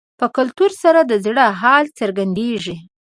په کتلو سره د زړه حال څرګندېږي